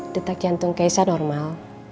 detak jantung keisha normal